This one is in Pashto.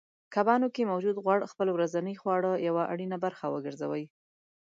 کبانو کې موجود غوړ خپل ورځنۍ خواړه یوه اړینه برخه وګرځوئ